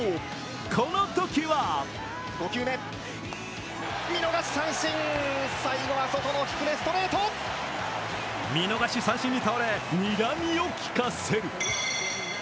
このときは見逃し三振に倒れ、にらみをきかせる。